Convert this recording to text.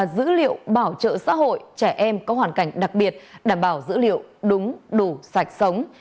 dữ liệu bảo trợ xã hội trẻ em có hoàn cảnh đặc biệt đảm bảo dữ liệu đúng đủ sạch sống